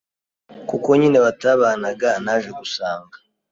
kuko nyine batabanaga naje gusanga